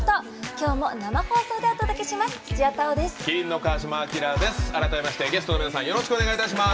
今日も生放送でお届けします。